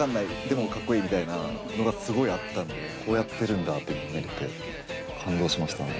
でもかっこいいみたいなのがすごいあったんでこうやってるんだっていうのが見れて感動しましたね。